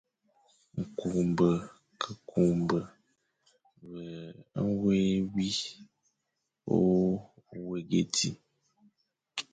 Nkuñbe ke kuñbe, ve nwé wi o wéghé di,